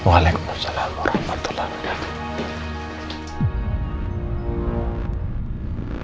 waalaikumsalam warahmatullahi wabarakatuh